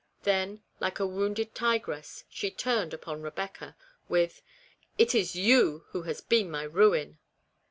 Then, like a wounded tigress, she turned upon Eebecca, with " It is you who have been my ruin."